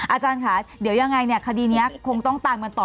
อาจารย์ค่ะเดี๋ยวยังไงเนี่ยคดีนี้คงต้องตามกันต่อ